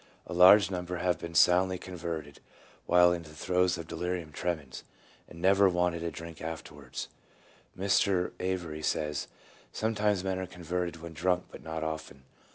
A large number have been soundly converted while in the throes of delirium tremens, and never wanted a drink afterwards." Mr. Avery says, " Sometimes men are converted when drunk, but not often."